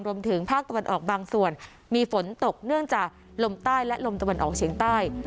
รวมถึงภาคตะวันออกบางส่วนมีฝนตกเนื่องจากลมใต้และลมตะวันออกเฉียงใต้